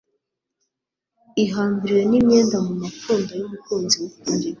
ihambiriwe nimyenda mumapfundo yumukunzi wukuri